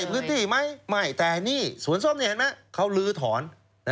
ไล่พื้นที่ไหมไม่แต่นี่สวนส้มเขาลือถอน